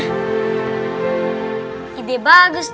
paint bagus tuh